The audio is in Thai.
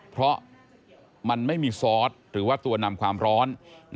เพราะมันไม่มีซอสหรือว่าตัวนำความร้อน